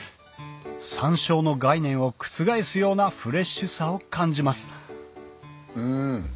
山椒の概念を覆すようなフレッシュさを感じますうん。